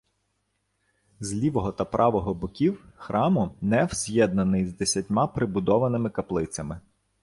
З лівого та правого боків храму неф з'єднаний з десятьма прибудованими каплицями.